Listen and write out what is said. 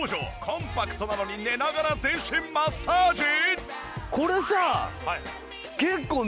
コンパクトなのに寝ながら全身マッサージ！？